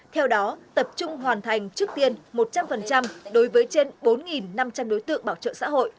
theo đó tập trung hoàn thành trước tiên một trăm linh đối với trên bốn năm trăm linh đối tượng bảo trợ xã hội